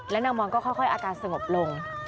นางมอนก็ค่อยอาการสงบลง